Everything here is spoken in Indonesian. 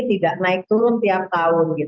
tidak naik turun tiap tahun